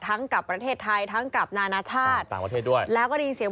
กับประเทศไทยทั้งกับนานาชาติต่างประเทศด้วยแล้วก็ได้ยินเสียง